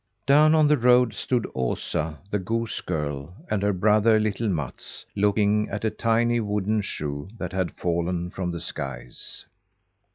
Down on the road stood Osa, the goose girl, and her brother, little Mats, looking at a tiny wooden shoe that had fallen from the skies.